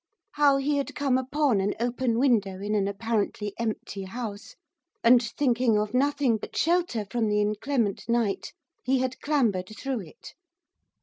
How he had come upon an open window in an apparently empty house, and, thinking of nothing but shelter from the inclement night, he had clambered through it.